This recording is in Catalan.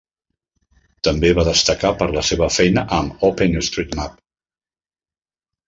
També va destacar per la seva feina amb OpenStreetMap.